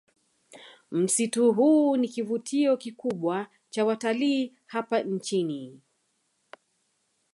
Msitu huu ni kivutio kikubwa cha watalii hapa nchini